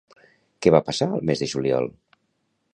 Què va passar al mes de juliol?